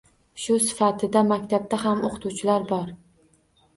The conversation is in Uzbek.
Shu sifatida maktabda ham o‘qituvchilar bor.